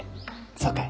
そうかえ？